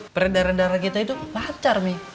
peredaran darah kita itu lancar nih